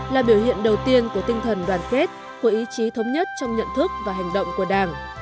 là biểu hiện đầu tiên của tinh thần đoàn kết của ý chí thống nhất trong nhận thức và hành động của đảng